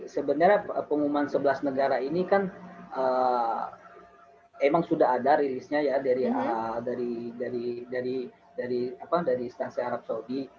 sebenarnya pengumuman sebelas negara ini kan emang sudah ada rilisnya ya dari instansi arab saudi